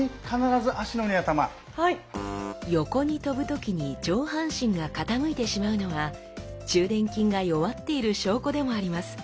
横に跳ぶ時に上半身が傾いてしまうのは中臀筋が弱っている証拠でもあります。